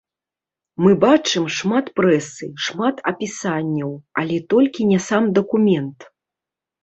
Мы бачым шмат прэсы, шмат апісанняў, але толькі не сам дакумент.